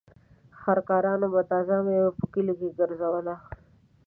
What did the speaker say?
خر کارانو به تازه مېوه په کليو ګرځوله.